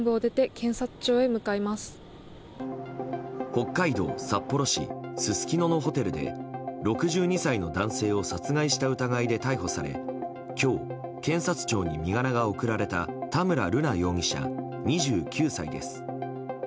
北海道札幌市すすきののホテルで６２歳の男性を殺害した疑いで逮捕され今日、検察庁に身柄が送られた田村瑠奈容疑者、２９歳です。